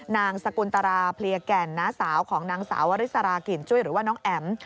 นางสกุลตราเพลียแก่นน้าสาวของนางสาววริสรากลิ่นจุ้ยหรือว่าน้องแอ๋ม